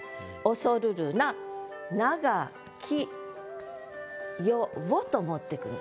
「怖るるな長き夜を」と持ってくるんです。